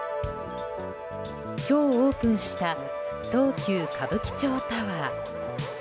今日オープンした東急歌舞伎町タワー。